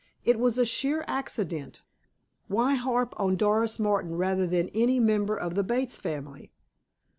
It was a sheer accident. Why harp on Doris Martin rather than any member of the Bates family?"